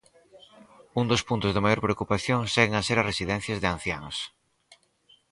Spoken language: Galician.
Un dos puntos de maior preocupación seguen a ser as residencias de anciáns.